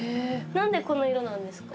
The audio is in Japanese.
何でこの色なんですか？